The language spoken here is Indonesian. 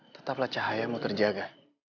tetaplah cahayamu terjaga